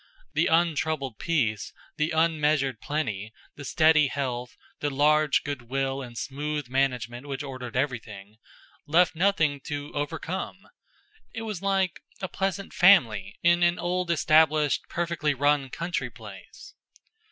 The untroubled peace, the unmeasured plenty, the steady health, the large good will and smooth management which ordered everything, left nothing to overcome. It was like a pleasant family in an old established, perfectly run country place.